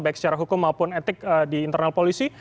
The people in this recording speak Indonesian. baik secara hukum maupun etik di internal polisi